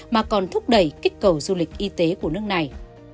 mà còn thúc đẩy kích cầu du lịch y tế của nước này